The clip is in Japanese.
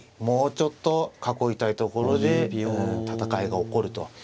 もうちょっと囲いたいところで戦いが起こると。